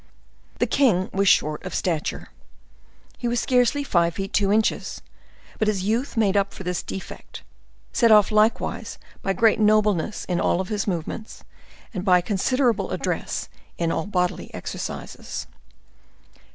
The king was short of stature—he was scarcely five feet two inches: but his youth made up for this defect, set off likewise by great nobleness in all his movements, and by considerable address in all bodily exercises.